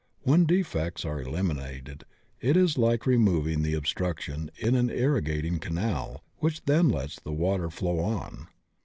When defects are eliminated it is like re moving the obstruction in an irrigating canal which then lets the water flow on.